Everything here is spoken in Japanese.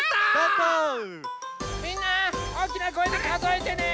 みんなおおきなこえでかぞえてね！